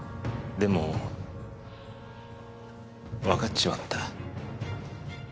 でもわかっちまった。